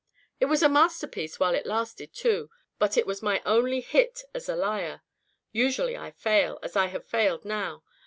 It was a masterpiece while it lasted, too. But it was my only hit as a liar. Usually I fail, as I have failed now.